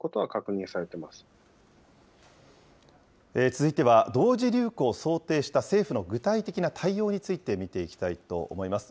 続いては、同時流行を想定した政府の具体的な対応について見ていきたいと思います。